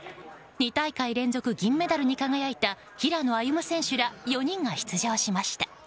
２大会連続銀メダルに輝いた平野歩夢選手ら４人が出場しました。